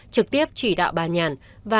trực tiếp chỉ đạo bà nhàn